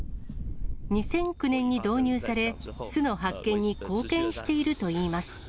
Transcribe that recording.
２００９年に導入され、巣の発見に貢献しているといいます。